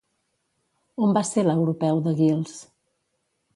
On va ser l'Europeu de Guils?